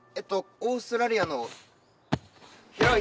オーストラリアの広い。